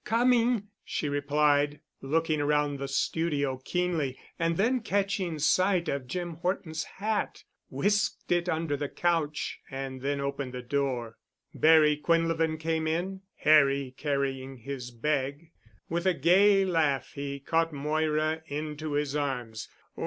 "Coming," she replied, looking around the studio keenly. And then catching sight of Jim Horton's hat, whisked it under the couch and then opened the door. Barry Quinlevin came in, Harry carrying his bag. With a gay laugh he caught Moira into his arms.